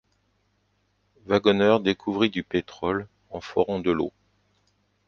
Waggoner découvrit du pétrole en forant de l'eau.